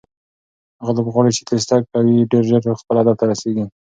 هغه لوبغاړی چې تېز تګ کوي ډېر ژر خپل هدف ته رسیږي.